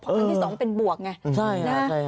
เพราะครั้งที่สองเป็นบวกไง